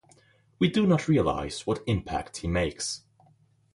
We do not realise what impact he makes.